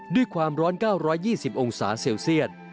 ด้วยความร้อน๙๒๐องศาเซลเซียต